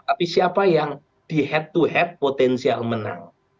tapi siapa yang di head to head potensial menang